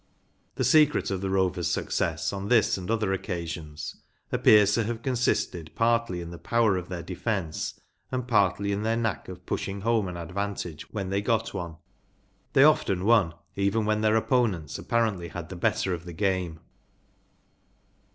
The secret of the Rovers* success on this and other occasions appears to have con¬ sisted partly in the power of their defence and partly in their knack of pushing home an advantage when they got one. They often won even when their opponents apparently had the better of the game.